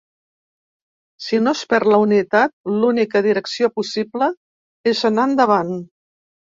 Si no es perd la unitat, l’única direcció possible és anar endavant.